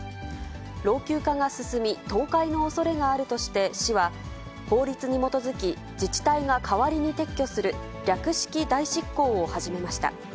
老朽化が進み倒壊のおそれがあるとして、市は、法律に基づき、自治体が代わりに撤去する略式代執行を始めました。